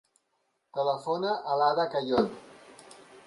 Telefona a l'Ada Cayon.